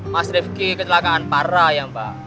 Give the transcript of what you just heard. mas rifki kecelakaan parah ya mbak